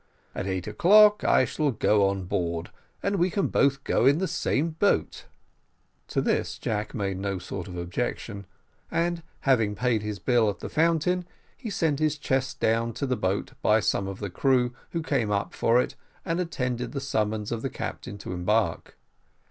At eight o'clock I shall go on board, and we can both go in the same boat." To this Jack made no sort of objection, and having paid his bill at the Fountain, he sent his chest down to the boat by some of the crew who came up for it, and attended the summons of the captain to embark.